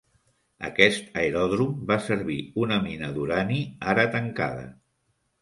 Aquest aeròdrom va servir una mina d'urani ara tancada.